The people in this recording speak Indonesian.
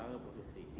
uang dari pak gerto